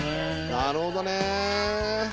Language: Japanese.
「なるほどね！」